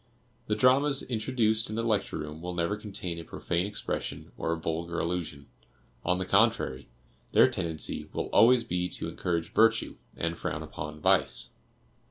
The dramas introduced in the Lecture Room will never contain a profane expression or a vulgar allusion; on the contrary, their tendency will always be to encourage virtue, and frown upon vice.